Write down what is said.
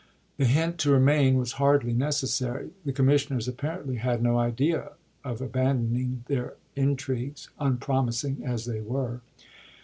The hint to remain was hardly iY1,irMs necessary. The commissioners apparently had no idea of abandoning their intrigues, unpromising as they were.